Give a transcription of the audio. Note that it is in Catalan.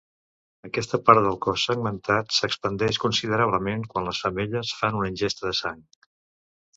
Aquesta part del cos segmentat s'expandeix considerablement quan les femelles fan una ingesta de sang.